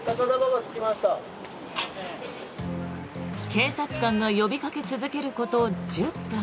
警察官が呼びかけ続けること１０分。